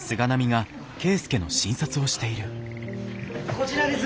こぢらです。